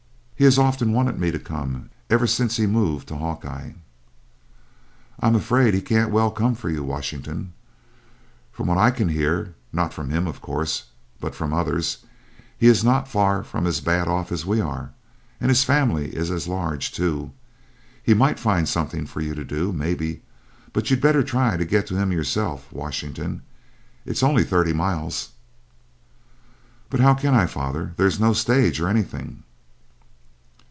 He has often wanted me to come, ever since he moved to Hawkeye." "I'm afraid he can't well come for you, Washington. From what I can hear not from him of course, but from others he is not far from as bad off as we are and his family is as large, too. He might find something for you to do, maybe, but you'd better try to get to him yourself, Washington it's only thirty miles." "But how can I, father? There's no stage or anything."